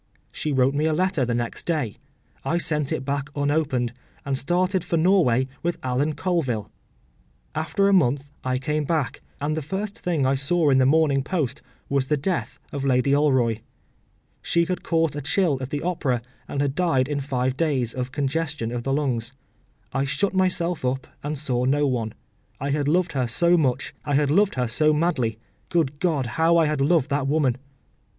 She wrote me a letter the next day; I sent it back unopened, and started for Norway with Alan Colville. After a month I came back, and the first thing I saw in the Morning Post was the death of Lady Alroy. She had caught a chill at the Opera, and had died in five days of congestion of the lungs. I shut myself up and saw no one. I had loved her so much, I had loved her so madly. Good God! how I had loved that woman!